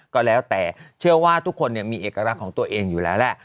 ก็แล้วแต่เชื่อว่าทุกคนมีเอกลักษณ์ของตัวเองอยู่แล้วแหละ